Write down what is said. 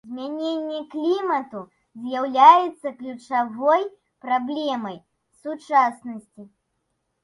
Змяненне клімату з'яўляецца ключавой праблемай сучаснасці.